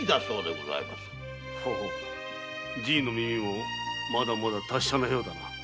ほうじぃの耳もまだまだ達者のようだな。